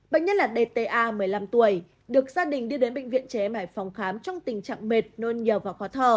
bệnh nhân là dta một mươi năm tuổi được gia đình đi đến bệnh viện trẻ em hải phòng khám trong tình trạng mệt nôn nhiều và khó thở